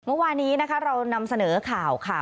เมื่อวานี้นะคะเรานำเสนอข่าวค่ะ